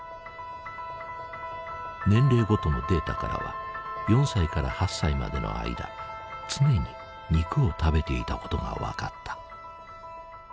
年齢ごとのデータからは４歳から８歳までの間常に肉を食べていたことが分かった。